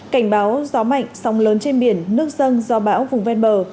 cảnh báo gió mạnh sóng lớn trên biển nước dâng gió bão vùng ven bờ